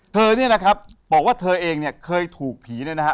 เธอเนี่ยนะครับบอกว่าเธอเองเนี่ยเคยถูกผีเนี่ยนะฮะ